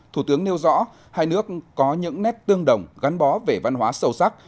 thủ tướng nêu rõ hai nước có những nét tương đồng gắn bó về văn hóa sâu sắc